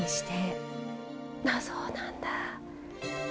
あっそうなんだ。